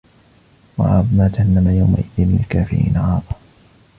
وعرضنا جهنم يومئذ للكافرين عرضا